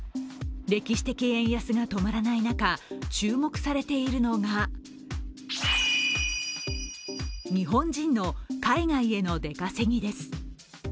歴史的円安が止まらない中、注目されているのが日本人の海外への出稼ぎです。